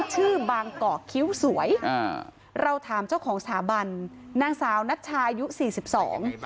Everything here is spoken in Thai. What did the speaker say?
ชื่อบางกอกคิ้วสวยอ่าเราถามเจ้าของสถาบันนางสาวนัชชายุสี่สิบสอง